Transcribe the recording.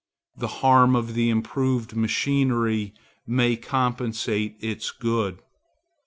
The harm of the improved machinery may compensate its good.